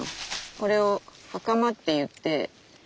これをはかまっていって。